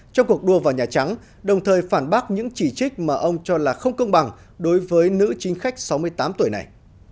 trong cuộc đua vào nhà trắng đồng thời phản bác những chỉ trích mà ông cho là không công bằng đối với nữ chính khách sáu mươi tám tuổi này